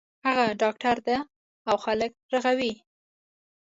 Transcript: هغه ډاکټر ده او خلک رغوی